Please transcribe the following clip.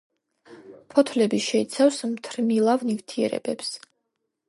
ფოთლები შეიცავს მთრიმლავ ნივთიერებებს.